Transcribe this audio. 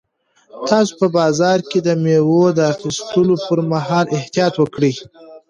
تاسو په بازار کې د مېوو د اخیستلو پر مهال احتیاط وکړئ.